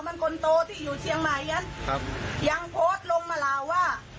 ไม่ต้องมาคุยกันแล้ว